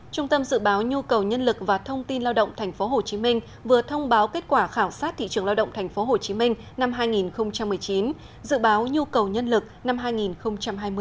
trung tâm dự báo nhu cầu nhân lực và thông tin lao động tp hcm vừa thông báo kết quả khảo sát thị trường lao động tp hcm năm hai nghìn một mươi chín dự báo nhu cầu nhân lực năm hai nghìn hai mươi